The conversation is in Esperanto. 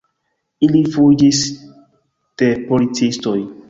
Ili fuĝis de policistoj.